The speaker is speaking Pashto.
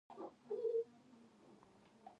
آیا کاناډا د اوبو بریښنا نه تولیدوي؟